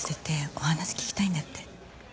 お話聞きたいんだって。